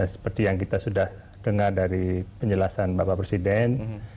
seperti yang kita sudah dengar dari penjelasan bapak presiden